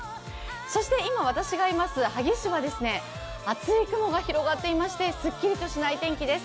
そして今、私がいます萩市は、厚い雲が広がっていまして、すっきりとしない天気です。